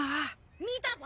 見たぞ！